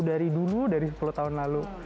dari dulu dari sepuluh tahun lalu